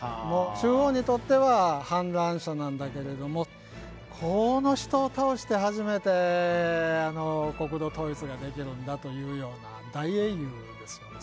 中央にとっては反乱者なんだけれどもこの人を倒して初めて国土統一ができるんだというような大英雄ですよね。